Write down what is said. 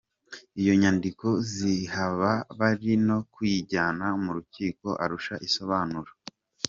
Iyo nyandiko zihaba bari no kuyijyana mu Rukiko Arusha ikisobanura.